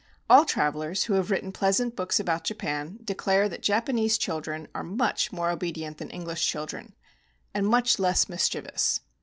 All travelers, who have written pleasant books about Japan, declare that Japanese children are much more obedient than English children and much less mischievous.